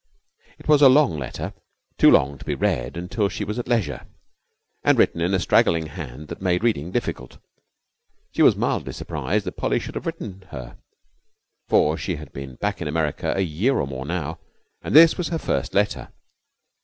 It was a long letter, too long to be read until she was at leisure, and written in a straggling hand that made reading difficult. She was mildly surprised that Polly should have written her, for she had been back in America a year or more now, and this was her first letter.